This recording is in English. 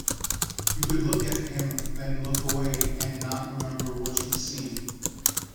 You could look at him then look away and not remember what you'd seen.